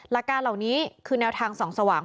หลักการเหล่านี้คือแนวทางส่องสว่าง